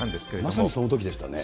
まさにそのときでしたね。